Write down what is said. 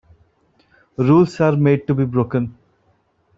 Rules are made to be broken.